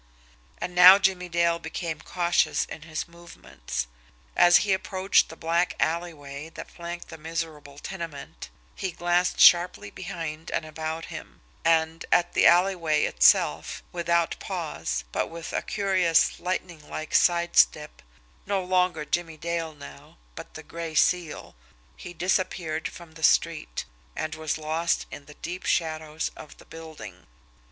And now Jimmie Dale became cautious in his movements. As he approached the black alleyway that flanked the miserable tenement, he glanced sharply behind and about him; and, at the alleyway itself, without pause, but with a curious lightning like side step, no longer Jimmie Dale now, but the Gray Seal, he disappeared from the street, and was lost in the deep shadows of the building.